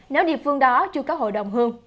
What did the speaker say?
nếu địa phương đó chưa có hội đồng hương